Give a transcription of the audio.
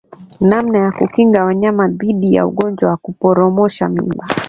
Namna ya kukinga wanyama dhidi ya ugonjwa wa kuporomosha mimba